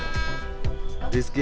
menaati protokol kesehatan